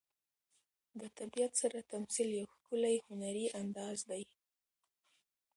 د طبیعت سره تمثیل یو ښکلی هنري انداز دی.